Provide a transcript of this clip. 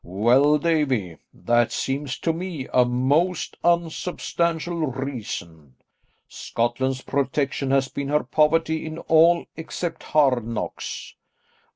"Well, Davie, that seems to me a most unsubstantial reason. Scotland's protection has been her poverty in all except hard knocks.